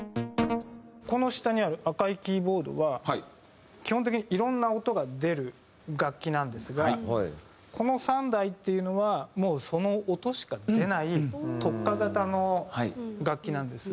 この下にある赤いキーボードは基本的にいろんな音が出る楽器なんですがこの３台っていうのはもうその音しか出ない特化型の楽器なんです。